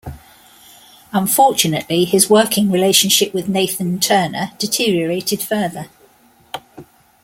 Unfortunately, his working relationship with Nathan-Turner deteriorated further.